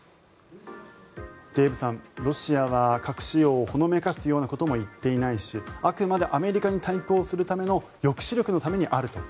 デーブさん、ロシアは核使用をほのめかすようなことも言っていないしあくまでアメリカに対抗するための抑止力のためにあると。